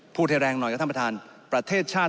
พูดแรงหน่อยครับท่านประธาน